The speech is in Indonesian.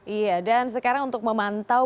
iya dan sekarang untuk memantau